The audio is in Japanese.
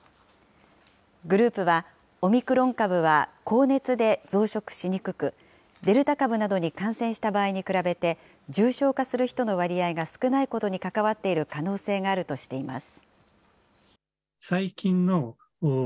グループは、オミクロン株は高熱で増殖しにくく、デルタ株などに感染した場合に比べて重症化する人の割合が少ないことに関わっている可能性があるとしています。